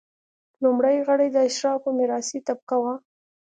لومړي غړي د اشرافو میراثي طبقه وه.